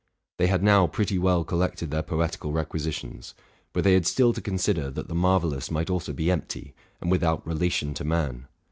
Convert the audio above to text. They had now pretty well collected. their poetical requisi tions; but they had still to consider that the marvellous might also be empty, and without relation to man.